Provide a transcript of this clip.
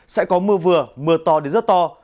sẽ có mưa vừa mưa to đến rất to